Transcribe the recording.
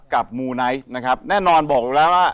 กับโม่ไนท์แน่นอนบอกแล้วว่า